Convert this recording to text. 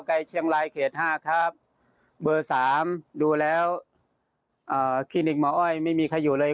ไกลเชียงรายเขตห้าครับเบอร์สามดูแล้วคลินิกหมออ้อยไม่มีใครอยู่เลย